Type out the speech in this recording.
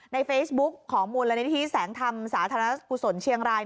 ในเฟซบุ๊คของมูลนิธิแสงธรรมสาธารณกุศลเชียงราย